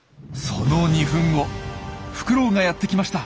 その２分後フクロウがやって来ました。